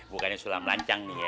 bukannya sulam lancang nih ya